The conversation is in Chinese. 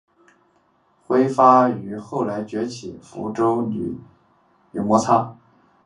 辉发与后来崛起的建州女真努尔哈赤势力屡有摩擦。